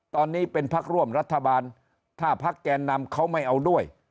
ตอนนี้เป็นพักร่วมรัฐบาลถ้าพักแกนนำเขาไม่เอาด้วย